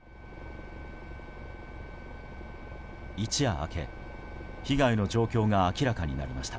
一夜明け、被害の状況が明らかになりました。